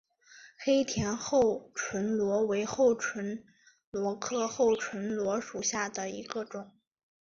黑田厚唇螺为厚唇螺科厚唇螺属下的一个种。